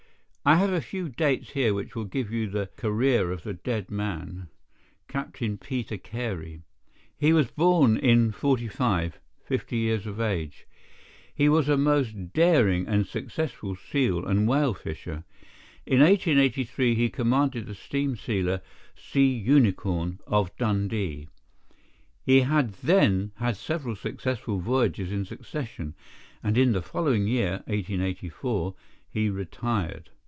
"I have a few dates here which will give you the career of the dead man, Captain Peter Carey. He was born in '45—fifty years of age. He was a most daring and successful seal and whale fisher. In 1883 he commanded the steam sealer Sea Unicorn, of Dundee. He had then had several successful voyages in succession, and in the following year, 1884, he retired.